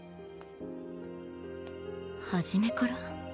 初めから？